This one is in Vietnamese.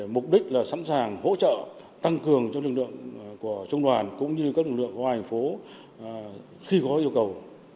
mục đích là sẵn sàng hỗ trợ tăng cường cho lực lượng của trung đoàn cũng như các lực lượng hoa hành phố khi có yêu cầu